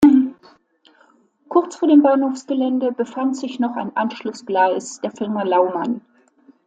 Kurz vor dem Bahnhofsgelände befand sich noch ein Anschlussgleis der Firma Laumann.